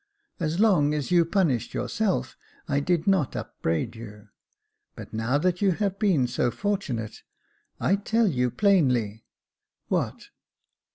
As long as you punished yourself I did not upbraid you ; but now that you have been so fortunate, I tell you plainly " "What?"